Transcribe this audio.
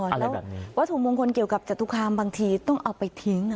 อ๋ออะไรแบบนี้วัตถุมงคลเกี่ยวกับจตุครามบางทีต้องเอาไปทิ้งอ่ะ